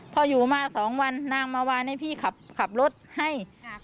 พออยู่มาสองวันนางมาวานให้พี่ขับรถให้